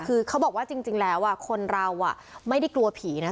คือเขาบอกว่าจริงแล้วคนเราไม่ได้กลัวผีนะ